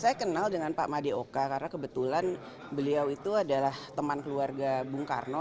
saya kenal dengan pak madeoka karena kebetulan beliau itu adalah teman keluarga bung karno